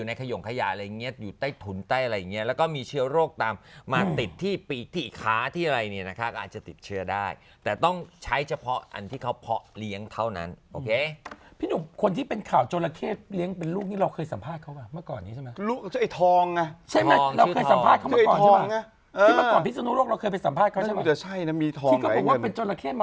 นางเบลไม่เหมือนคนแก่เลยน่ะอายุ๑๐๒ปีพี่หน่วมนึก